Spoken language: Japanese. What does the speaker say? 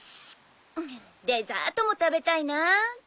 デザートも食べたいな。